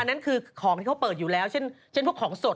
นั่นคือของที่เขาเปิดอยู่แล้วเช่นพวกของสด